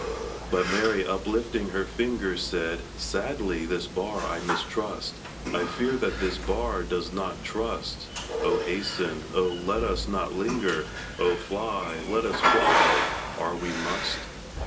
But Mary, uplifting her finger, Said: "Sadly this bar I mistrust, I fear that this bar does not trust. Oh, hasten! oh, let us not linger! Oh, fly, let us fly, are we must!"